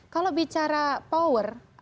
kalau bicara power